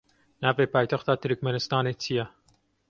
Navê paytexta Tirkmenistanê çi ye?